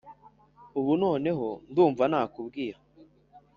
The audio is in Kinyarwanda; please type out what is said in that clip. ubu noneho ndumva nakubwira